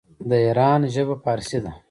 د ایران ژبې فارسي ده.